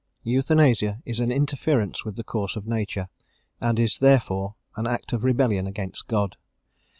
Euthanasia is an interference with the course of nature, and its herefore an act of rebellion against God.